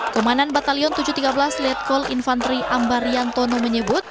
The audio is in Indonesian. kemanan batalion tujuh ratus tiga belas letkol infantri ambarian tono menyebut